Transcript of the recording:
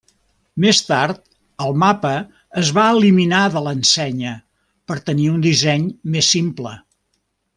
Més tard, el mapa es va eliminar de l'ensenya per tenir un disseny més simple.